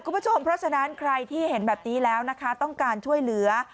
คุณผู้ชมเพราะฉะนั้นใครที่เห็นแบบนี้แล้วนะคะต้องการช่วยเหลือ